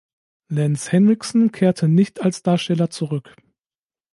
Lance Henriksen kehrte nicht als Darsteller zurück.